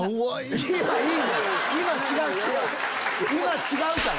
今違うから！